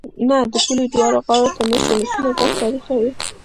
نه! د پولې دواړو غاړو ته مېشت ولسونه ګډ تاریخ لري.